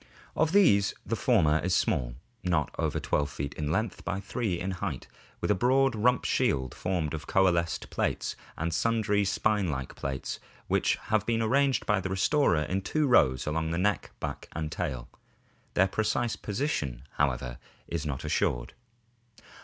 Of these the former is small, not over 12 feet in length by 3 in height, with a broad rump shield formed of coalesced plates, and sundry spine like plates which have been arranged by the restorer in two rows along the neck, back, and tail. Their precise position, however, is not assured.